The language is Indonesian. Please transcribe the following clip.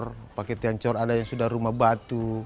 tiang tiang cor ada yang sudah rumah batu